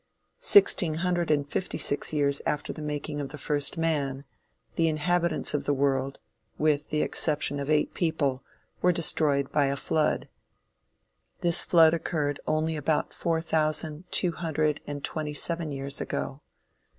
Sixteen hundred and fifty six years after the making of the first man, the inhabitants of the world, with the exception of eight people, were destroyed by a flood. This flood occurred only about four thousand two hundred and twenty seven years ago.